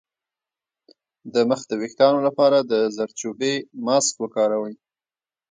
د مخ د ويښتانو لپاره د زردچوبې ماسک وکاروئ